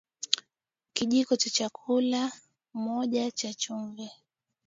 Kijiko cha chakula moja cha chumvi